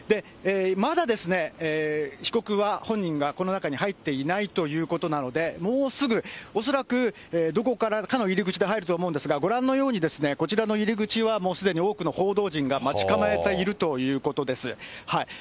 まだ、被告は、本人は、この中に入っていないということなので、もうすぐ、恐らくどこからかの入り口で入ると思うんですが、ご覧のように、こちらの入り口はもうすでに多くの報道陣が待ち構えているということです。